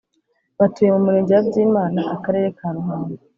Batuye murenge wa Byimana akarere ka Ruhango